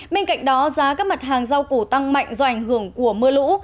bên cạnh đó giá các mặt hàng rau củ tăng mạnh do ảnh hưởng của mưa lũ